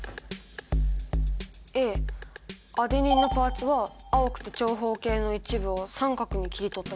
Ａアデニンのパーツは青くて長方形の一部を三角に切り取ったみたい。